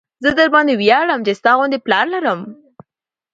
زه درباندې وياړم چې ستا غوندې پلار لرم.